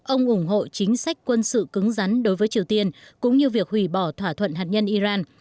ông ủng hộ chính sách quân sự cứng rắn đối với triều tiên cũng như việc hủy bỏ thỏa thuận hạt nhân iran